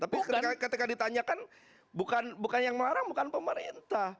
tapi ketika ditanyakan bukan yang melarang bukan pemerintah